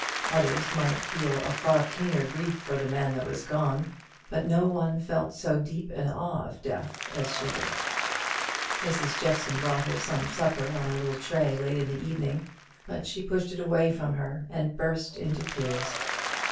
Others might feel a far keener grief for the man that was gone; but no one felt so deep an awe of death as she did. Mrs. Jeffson brought her some supper on a little tray late in the evening; but she pushed it away from her and burst into tears.